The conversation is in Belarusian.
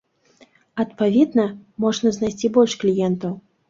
Адпаведна, можна знайсці больш кліентаў.